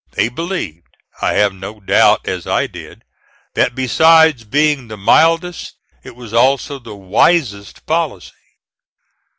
They believed, I have no doubt, as I did, that besides being the mildest, it was also the wisest, policy.